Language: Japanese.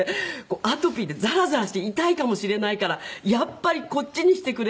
「アトピーでザラザラして痛いかもしれないからやっぱりこっちにしてくれ」って言って。